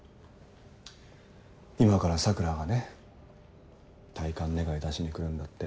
今から桜がね退官願出しに来るんだって。